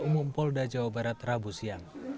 dan kriminal umum polda jawa barat rabu siang